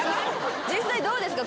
実際どうですか？